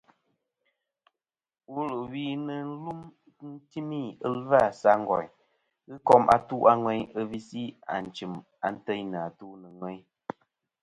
Wul ɨ wi nɨ̀ lum nɨn tumî ɨlvâ sa ngòyn ghɨ kom atu a ŋweyn ɨ visi ànchɨ̀m antêynɨ̀ àtu nɨ̀ ŋweyn.